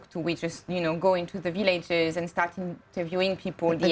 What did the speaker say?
kami hanya pergi ke wilayah dan mulai menemui orang orang